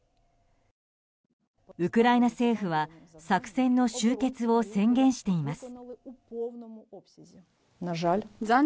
ウクライナ政府は作戦の終結を宣言しています。